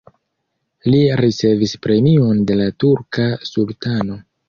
Li ricevis premion de la turka sultano.